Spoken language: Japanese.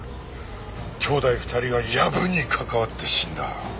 兄弟２人が藪に関わって死んだ。